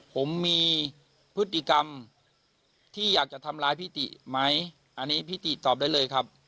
ผมมีพฤติกรรมที่อยากจะทำร้ายพี่ติไหมอันนี้พี่ติตอบได้เลยครับ